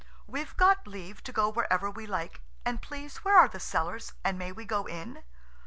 We've got leave to go wherever we like, and please where are the cellars, and may we go in?"